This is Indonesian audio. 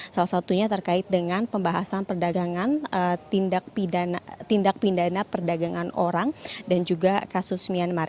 salah satunya terkait dengan pembahasan perdagangan tindak pidana perdagangan orang dan juga kasus myanmar